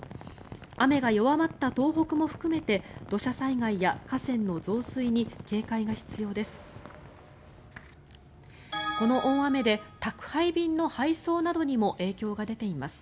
雨が弱まった東北も含めて土砂災害や河川の増水に警戒が必要です。